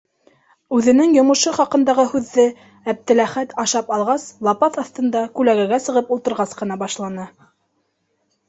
Үҙенең йомошо хаҡындағы һүҙҙе Әптеләхәт ашап алғас, лапаҫ аҫтында, күләгәгә сығып ултырғас ҡына башланы.